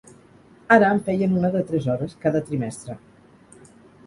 Ara en feien una de tres hores cada trimestre.